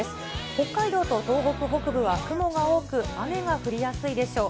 北海道と東北北部は雲が多く、雨が降りやすいでしょう。